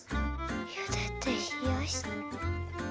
ゆでてひやし。